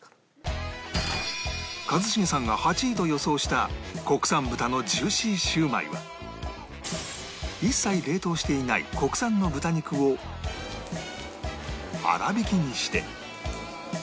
一茂さんが８位と予想した国産豚のジューシー焼売は一切冷凍していない国産の豚肉を粗挽きにして